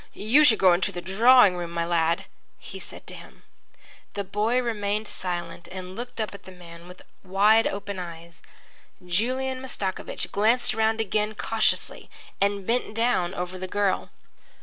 "You should go into the drawing room, my lad," he said to him. The boy remained silent and looked up at the man with wide open eyes. Julian Mastakovich glanced round again cautiously and bent down over the girl.